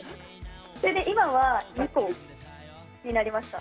それで今は、２個になりました。